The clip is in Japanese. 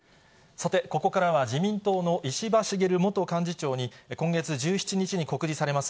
さて、ここからは自民党の石破茂元幹事長に、今月１７日に告示されます